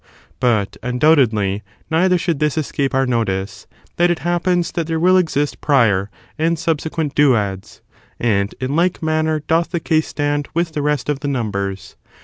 But, undoubtedly, neither should this escape our notice, that it happens that there will exist prior and subsequent duads; and in like manner doth the case stand with the rest of the numbers.